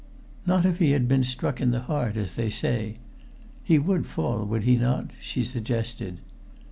"Not if he had been struck in the heart, as they say. He would fall, would he not?" she suggested.